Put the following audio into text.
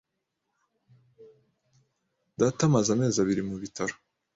Data amaze amezi abiri mu bitaro.